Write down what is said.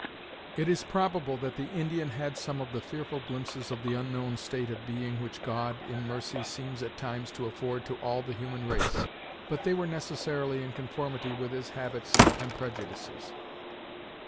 It is probable that the Indian had some of the fearful glimpses of the unknown state of being which God, in mercy, seems at times to afford to all the human race; but they were necessarily in conformity with his habits and prejudices.